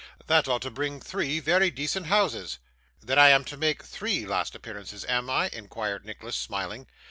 That ought to bring three very decent houses.' 'Then I am to make three last appearances, am I?' inquired Nicholas, smiling.